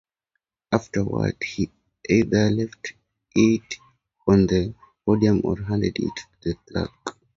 Afterwards, he either left it on the podium or handed it to a clerk.